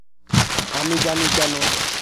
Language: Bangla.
আমি জানি কেন।